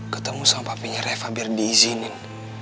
ketemu sama papanya reva biar diizinin